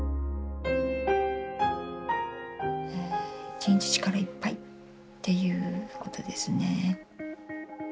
「１日力いっぱい」っていうことですね。